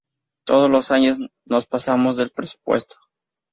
Todos los años nos pasamos del presupuesto.